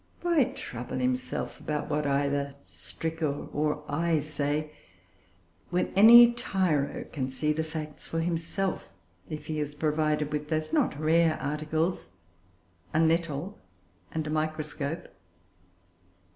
Why trouble himself about what either Stricker or I say, when any tyro can see the facts for himself, if he is provided with those not rare articles, a nettle and a microscope?